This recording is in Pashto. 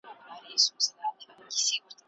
زه هره ورځ تمرین کوم